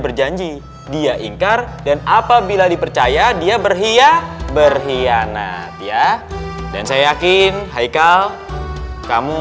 berjanji dia ingkar dan apabila dipercaya dia berhiyah berkhianat ya dan saya yakin haikal kamu